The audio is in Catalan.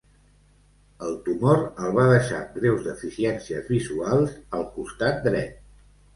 El tumor el va deixar amb greus deficiències visuals al costat dret.